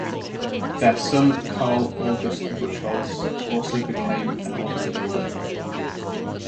Their son Carl August Buchholz also became an organ builder.